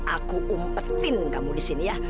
aku umpetin kamu di sini ya